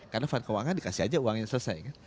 karena fund keuangan dikasih aja uangnya selesai kan